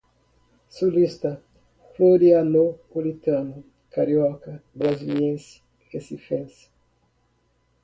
sulista, florianopolitano, carioca, brasiliense, recifense